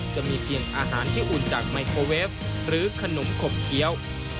จะมีเพียงอาหารที่อุ่นจากไมโครเวฟหรือขนมขบเคี้ยว